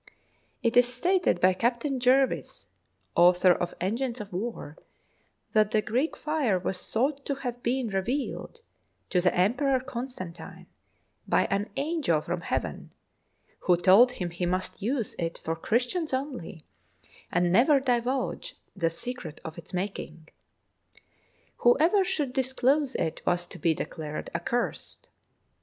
It is stated by Captain Jervis, author of ' En gines of War," that the Greek fire was thought to have been revealed to the Emperor Constantine by an angel from heaven, who told him he must use it for Christians only, and never divulge the secret of its making. Whoever should disclose it was to be declared accursed.